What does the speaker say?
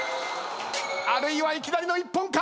あるいはいきなりの一本か？